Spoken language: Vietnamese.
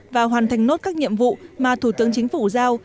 và hoàn thành nốt các nhiệm vụ mà thủ tướng chính phủ giao